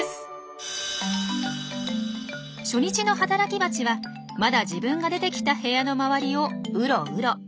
初日の働きバチはまだ自分が出てきた部屋の周りをウロウロ。